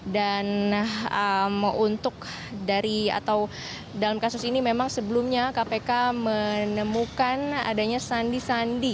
dan untuk dalam kasus ini memang sebelumnya kpk menemukan adanya sandi sandi